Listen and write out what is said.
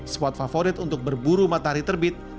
spot favorit untuk berburu matahari terbit